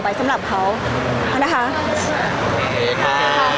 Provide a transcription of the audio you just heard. พี่ตอบได้แค่นี้จริงค่ะ